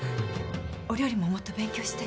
お料理ももっと勉強して。